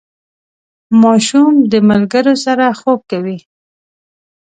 ماشوم د ملګرو سره خوب کوي.